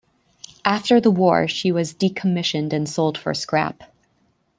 After the war, she was decommissioned and sold for scrap.